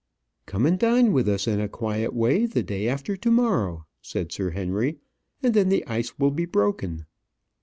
"Come and dine with us in a quiet way the day after to morrow," said Sir Henry, "and then the ice will be broken."